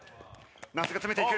那須が詰めていく。